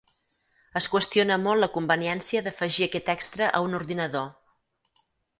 Es qüestiona molt la conveniència d'afegir aquest extra a un ordinador.